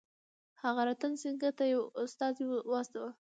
هغه رتن سینګه ته یو استازی واستاوه.